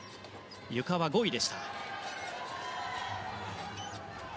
ゆかは５位でした。